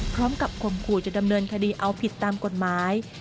พร้อมกับควมคู่จะดำเนินคดีเอาผิดตามกฎหมาย